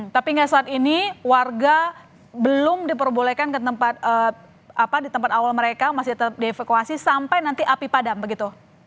tapi hingga saat ini warga belum diperbolehkan ke tempat awal mereka masih tetap dievakuasi sampai nanti api padam begitu